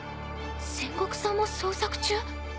千石さんも捜索中？